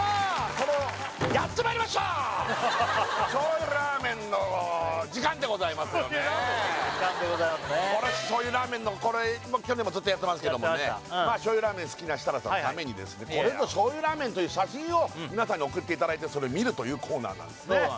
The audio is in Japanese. この醤油ラーメンの時間でございますね醤油ラーメンのこれもう去年もずっとやってますけどもね醤油ラーメン好きな設楽さんのためにこれぞ醤油ラーメンという写真を皆さんに送っていただいてそれを見るというコーナーなんですね